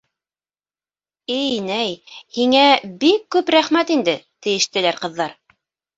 — И инәй, һиңә бик күп рәхмәт инде, — тиештеләр ҡыҙҙар.